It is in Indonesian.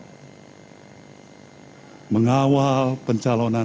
hai mengawal pencalonan